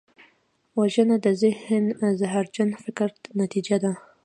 وژنه د ذهن زهرجن فکر نتیجه ده